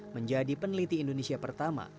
menjadi peneliti indonesia pertama